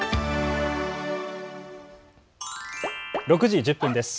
６時１０分です。